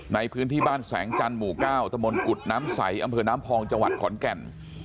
ในพื้นที่บ้านแสงจันทร์หมู่๙ตะมนต์กุฎน้ำใสอำเภอน้ำพองจังหวัดขอนแก่น